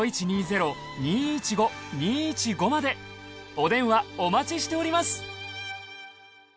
お電話お待ちしております。